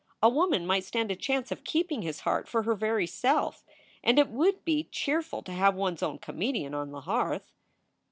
A woman might stand a chance of keeping his heart for her very self, and it would be cheerful to have one s own comedian on the hearth.